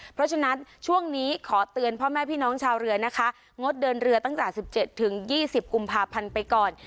เพราะฉะนั้นช่วงนี้ขอเตือนพ่อแม่พี่น้องชาวเรือนะคะงดเดินเรือตั้งจากสิบเจ็ดถึงยี่สิบกุมภาพันธุ์ไปก่อน